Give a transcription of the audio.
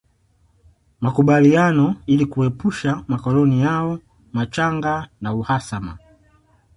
Makubaliano ili kuepusha makoloni yao machanga na uhasama